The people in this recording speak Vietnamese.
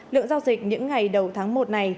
lượng giao dịch những ngày đầu tháng một này